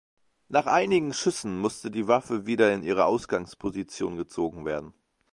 Nach einigen Schüssen musste die Waffe wieder in ihre Ausgangsposition gezogen werden.